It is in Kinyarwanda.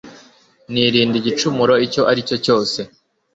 nirinda igicumuro icyo ari cyo cyose